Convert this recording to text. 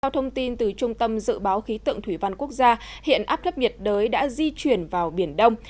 theo thông tin từ trung tâm dự báo khí tượng thủy văn quốc gia hiện áp thấp nhiệt đới đã di chuyển vào biển đông